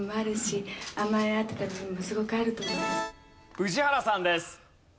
宇治原さんです。